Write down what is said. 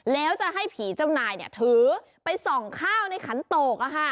แล้วจะให้ผีเจ้านายถือไปส่องข้าวในขันโตก